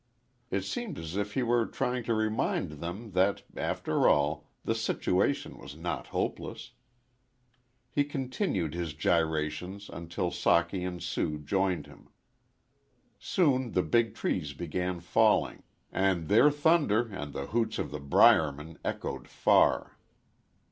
It seemed as if he were trying to remind them that, after all, the situation was not hopeless. He continued his gyrations until Socky and Sue joined him. Soon the big trees began falling and their thunder and the hoots of the "briermen" echoed far.